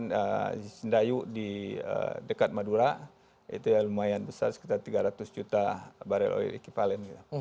kita menemukan di sindayu di dekat madura itu ya lumayan besar sekitar tiga ratus juta barrel oil equivalent gitu